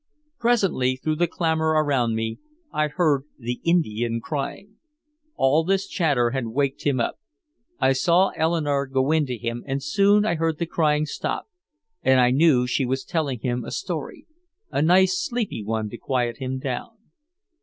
Presently, through the clamor around me, I heard "the Indian" crying. All this chatter had waked him up. I saw Eleanore go in to him and soon I heard the crying stop, and I knew she was telling him a story, a nice sleepy one to quiet him down.